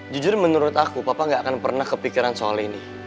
jujur menurut aku papa gak akan pernah kepikiran soal ini